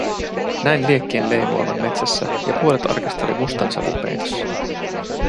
Näin liekkien leimuavan metsässä ja puolet arkista oli mustan savun peitossa.